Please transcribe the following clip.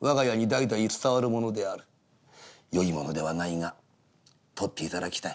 よいものではないが取って頂きたい」。